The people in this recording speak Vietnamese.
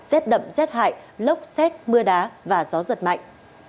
rét đậm rét hại lốc xét mưa đá và gió giật mạnh